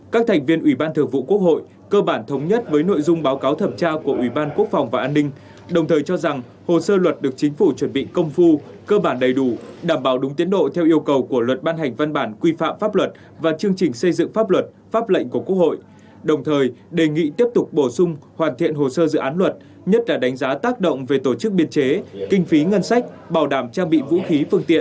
các thành viên ủy ban thường vụ quốc hội cơ bản thống nhất với nội dung báo cáo thẩm tra của ủy ban quốc phòng và an ninh đồng thời cho rằng hồ sơ luật được chính phủ chuẩn bị công phu cơ bản đầy đủ đảm bảo đúng tiến độ theo yêu cầu của luật ban hành văn bản quy phạm pháp luật và chương trình xây dựng pháp luật pháp lệnh của quốc hội đồng thời đề nghị tiếp tục bổ sung hoàn thiện hồ sơ dự án luật nhất là đánh giá tác động về tổ chức biệt chế kinh phí ngân sách bảo đảm trang bị vũ khí phương tiện